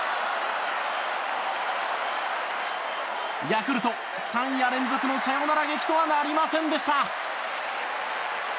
ヤクルト３夜連続のサヨナラ劇とはなりませんでした。